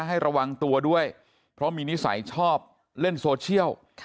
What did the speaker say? ให้ระวังตัวด้วยเพราะมีนิสัยชอบเล่นโซเชียล